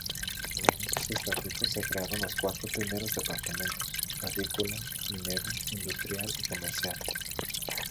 En esos estatutos se crearon los cuatro primeros departamentos: Agrícola, Minero, Industrial y Comercial.